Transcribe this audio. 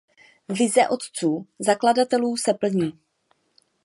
Vize otců zakladatelů se plní.